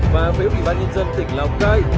và với ubnd tỉnh lào cai